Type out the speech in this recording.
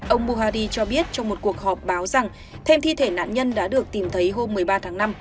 ông mohadi cho biết trong một cuộc họp báo rằng thêm thi thể nạn nhân đã được tìm thấy hôm một mươi ba tháng năm